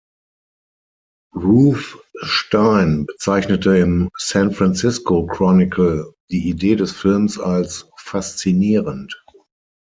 Ruthe Stein bezeichnete im "San Francisco Chronicle" die Idee des Films als „faszinierend“.